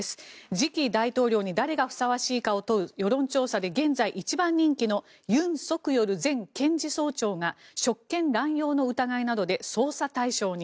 次期大統領に誰がふさわしいかを問う世論調査で現在、１番人気のユン・ソクヨル前検事総長が職権乱用の疑いなどで捜査対象に。